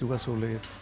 dianggap sudah sulit